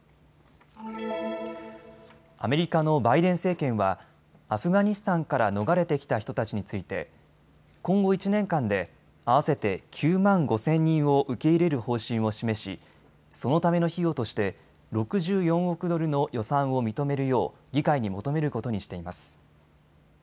アメリカのバイデン政権はアフガニスタンから逃れてきた人たちについて今後１年間で合わせて９万５０００人を受け入れる方針を示しそのための費用として６４億ドルの予算を認めるよう議会に求めることにしています。